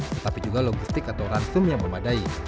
tetapi juga logistik atau ransum yang memadai